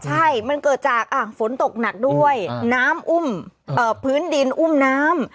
ใช่มันเกิดจากฝนตกหนักด้วยน้ำอุ้มพื้นดินอุ้มน้ำ